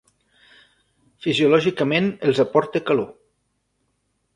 Fisiològicament els aporta calor.